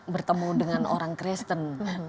bertemu dengan orang kristen